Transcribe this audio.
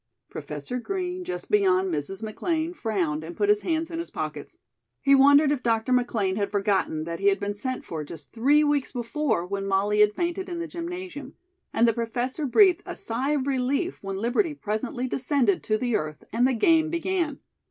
Professor Green, just beyond Mrs. McLean, frowned, and put his hands in his pockets. He wondered if Dr. McLean had forgotten that he had been sent for just three weeks before when Molly had fainted in the gymnasium, and the Professor breathed a sigh of relief when Liberty presently descended to the earth and the game began.